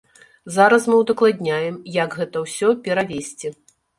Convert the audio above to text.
Зараз мы ўдакладняем, як гэта ўсё перавезці.